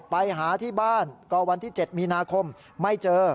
ไปหาที่บ้านก็วันที่๗มีนาคมไม่เจอ